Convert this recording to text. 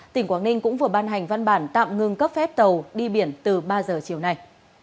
tỉnh quảng ninh cũng vừa ban hành văn bản tạm ngừng cấp phép tàu đi biển từ ba giờ chiều nay